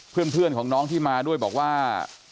เพื่อนของน้องที่มาด้วยบอกว่า